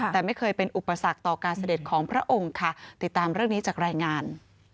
แต่ไม่เคยเป็นอุปสรรคต่อการเสด็จของพระองค์ค่ะติดตามเรื่องนี้จากรายงาน